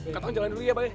katanya jalan dulu ya be